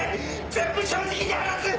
全部正直に話す！